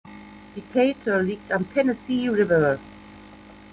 Decatur liegt am Tennessee River.